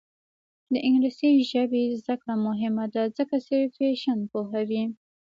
د انګلیسي ژبې زده کړه مهمه ده ځکه چې فیشن پوهوي.